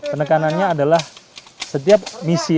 penekanannya adalah setiap misi